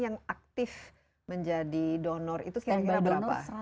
yang aktif menjadi donor itu kira kira berapa